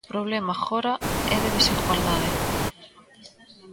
O problema agora é de desigualdade.